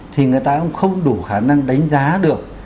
thì người ta cũng không đủ khả năng đánh giá được